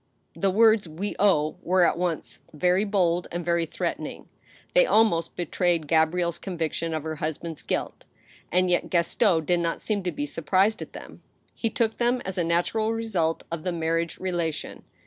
The words, " we owe," were at once very bold and very threat ening. They almost betrayed Gabrielle's conviction of her husband's guilt. And yet Gaston did not seem to be surprised at them ; he took them as a natural result of the marriage relation.